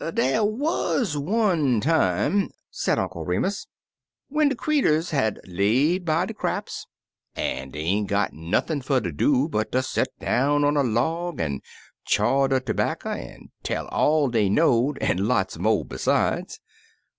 Dey wuz one time," said Uncle Remus, when de creeturs had laid by der craps, an' dey ain't got nothin' fer ter do but set down on a log an' chaw der terbacker an' tell all dey know'd an' lots mo' besides.